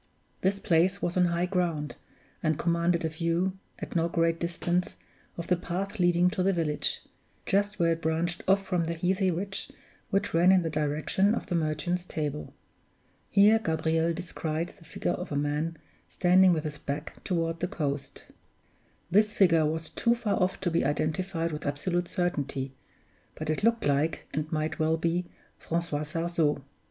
This place was on high ground, and commanded a view, at no great distance, of the path leading to the village, just where it branched off from the heathy ridge which ran in the direction of the Merchant's Table. Here Gabriel descried the figure of a man standing with his back toward the coast. This figure was too far off to be identified with absolute certainty, but it looked like, and might well be, Francois Sarzeau.